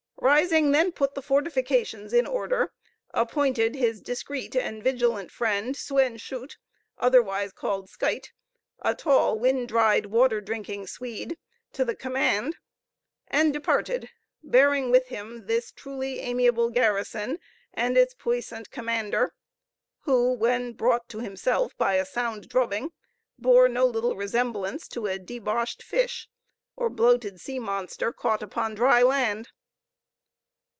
Risingh then put the fortifications in order, appointed his discreet and vigilant friend Suen Schute, otherwise called Skytte, a tall, wind dried, water drinking Swede, to the command, and departed, bearing with him this truly amiable garrison and its puissant commander, who, when brought to himself by a sound drubbing, bore no little resemblance to a "deboshed fish," or bloated sea monster, caught upon dry land.